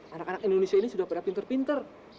anak anak indonesia ini sudah pada pinter pinter